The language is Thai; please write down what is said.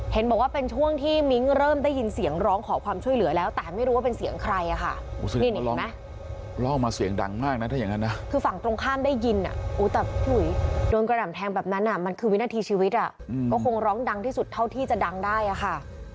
เห็นบอกว่าเป็นช่วงที่มิ้งเริ่มได้ยินเสียงร้องขอความช่วยเหลือแล้วแต่ไม่รู้ว่าเป็นเสียงใครอ่ะค่ะนี่ร้องไหมร้องมาเสียงดังมากนะถ้าอย่างนั้นนะคือฝั่งตรงข้ามได้ยินแต่พี่อุ๋ยโดนกระหน่ำแทงแบบนั้นมันคือวินาทีชีวิตอ่ะก็คงร้องดังที่สุดเท่าที่จะดังได้อะค่ะ